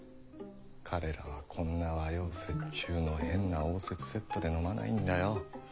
彼らはこんな和洋折衷の変な応接セットで飲まないんだよッ。